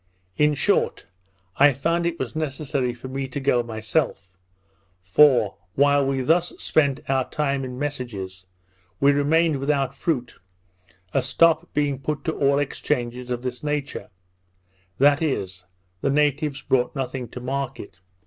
In short, I found it was necessary for me to go myself; for, while we thus spent our time in messages, we remained without fruit, a stop being put to all exchanges of this nature; that is, the natives brought nothing to market.